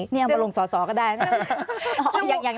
นี่เอามาลงสอก็ได้นะ